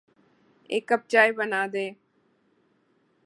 ایک کپ چائے بنادیں